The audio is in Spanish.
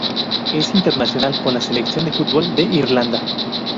Es internacional con la selección de fútbol de Irlanda.